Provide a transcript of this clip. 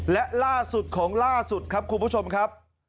และล่าสุดของล่าสุดครับคุณผู้ชมครับ